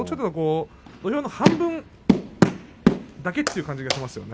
土俵の半分だけという感じがします。